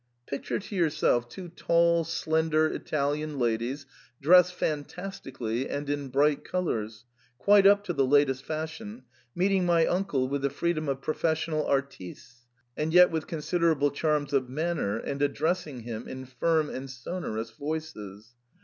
Picture to yourself two tall, slender Italian ladies, dressed fantastically and in bright colours, quite up to the latest fashion, meeting my uncle with the freedom of professional artisteSy and yet with considerable charms of manner, and addressing him in firm and sonorous voices.